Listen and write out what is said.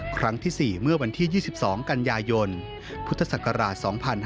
ครั้งที่๔เมื่อวันที่๒๒กันยายนพุทธศักราช๒๕๕๙